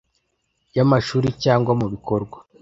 y amashuri cyangwa mu bikorwa